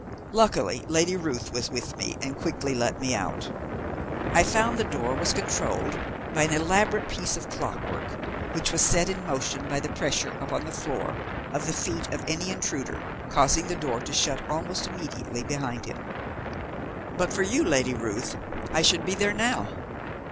Luckily Lady Ruth was with me, and quickly let me out. I found that the door was controlled by an elaborate piece of clockwork, which is set in motion by the pressure upon the floor of the feet of any intruder, causing the door to shut almost immediately behind him. But for you, Lady Ruth, I should be there now.